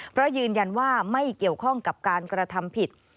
เพราะยืนยันว่าไม่เกี่ยวข้องกับการกระทำผิด